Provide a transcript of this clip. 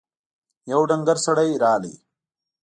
يو ډنګر سړی راغی.